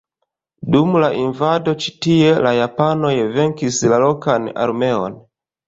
Dum la invado ĉi tie la japanoj venkis la lokan armeon.